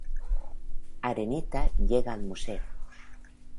Arenita llega al museo.